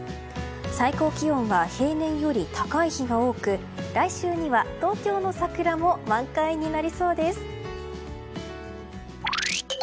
最高気温は平年より高い日が多く来週には東京の桜も満開になりそうです。